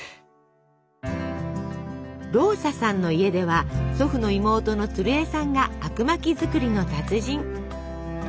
ローサさんの家では祖父の妹の鶴江さんがあくまき作りの達人。